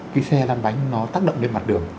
cái xe lăn bánh nó tác động lên mặt đường